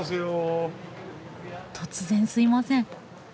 突然すいません。